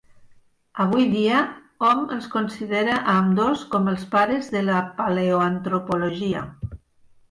Avui dia, hom els considera a ambdós com els pares de la Paleoantropologia.